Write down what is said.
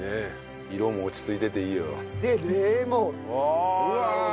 色も落ち着いてていいよ。でレモン！